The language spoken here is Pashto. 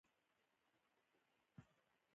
چی دا توپیر د نورو نظامونو نیمګرتیاوی را په ګوته کوی